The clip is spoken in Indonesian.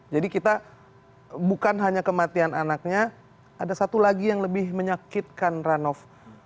jadi kita bukan hanya kematian anaknya ada satu lagi yang lebih menyakitkan ranoff